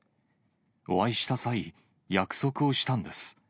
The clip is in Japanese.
お会いした際、約束をしたんです。